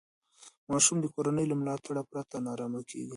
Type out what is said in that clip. ماشوم د کورنۍ له ملاتړ پرته نارامه کېږي.